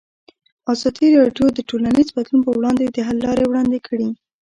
ازادي راډیو د ټولنیز بدلون پر وړاندې د حل لارې وړاندې کړي.